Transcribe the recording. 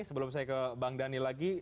sebelum saya ke bang dhani lagi